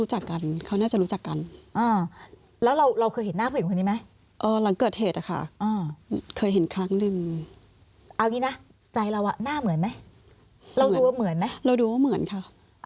หน้าเหมือนไหมเราดูว่าเหมือนไหมเราดูว่าเหมือนค่ะ